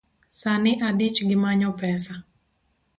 Sani adich gi manyo pesa